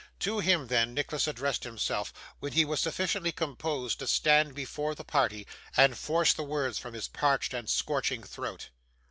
To him then Nicholas addressed himself when he was sufficiently composed to stand before the party, and force the words from his parched and scorching throat.